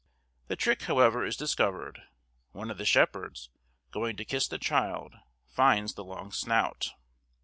The trick, however, is discovered, one of the Shepherds, going to kiss the child, finds the long snout.